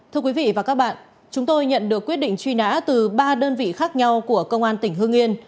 thưa quý vị và các bạn chúng tôi nhận được quyết định truy nã từ ba đơn vị khác nhau của công an tỉnh hương yên